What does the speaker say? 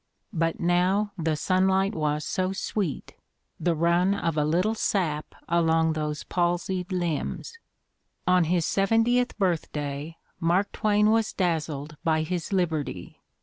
But now the sunlight was so sweet, the run of a little sap along those palsied limbs. On his seventieth birthday Mark Twain was dazzled by his liberty.